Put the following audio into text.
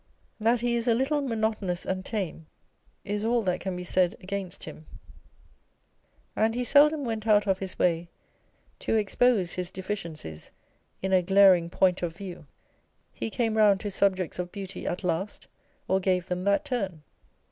That he is a little monotonous and tame, is all that can be said against him ; and he seldom went out of his way to expose his deficiencies in a glaring point of view. He came round to subjects of beauty at last, or gave them that turn.